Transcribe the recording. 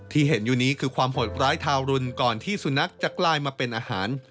ที่เห็นอยู่นี้คือความโหดร้ายทารุณก่อนที่สุนัขจะกลายมาเป็นอาหาร